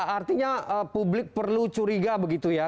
artinya publik perlu curiga begitu ya